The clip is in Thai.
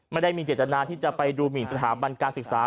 ไม่ได้มีเจตนาที่จะไปดูหมินสถาบันการศึกษา